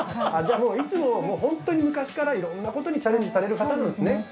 じゃあいつもホントに昔からいろんなことにチャレンジされる方なんですね。